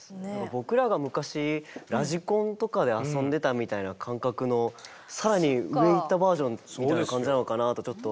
僕らが昔ラジコンとかで遊んでたみたいな感覚の更に上行ったバージョンみたいな感じなのかなとちょっと。